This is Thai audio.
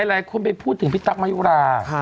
หลายคนไปพูดถึงพี่ตั๊กมายุรา